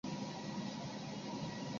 熊猫不交配不是人类的错。